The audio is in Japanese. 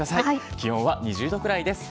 気温は２０度くらいです。